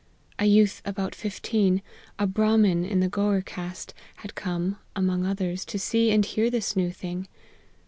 A youth about fifteen, a Brahmin of the Gour caste, had come, among others, to see and hear this new thing.